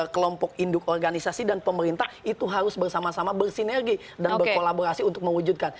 kelompok induk organisasi dan pemerintah itu harus bersama sama bersinergi dan berkolaborasi untuk mewujudkan